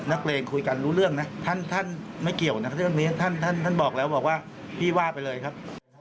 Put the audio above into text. นักเรียนคุยกันรู้เรื่องนะท่านไม่เกี่ยวท่านบอกแล้วว่าพี่ว่าไปเลยครับ